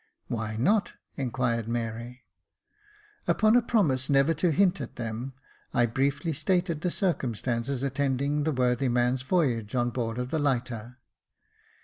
" Why not ?" inquired Mary. Upon a promise never to hint at them, I briefly stated the circumstances attending the worthy man's voyage on board of the lighter.